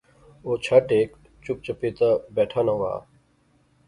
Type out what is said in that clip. او چھٹ ہک چپ چپیتا بیٹھا ناں وہا